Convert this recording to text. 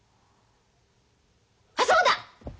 あそうだ！